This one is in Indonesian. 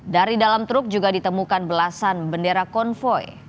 dari dalam truk juga ditemukan belasan bendera konvoy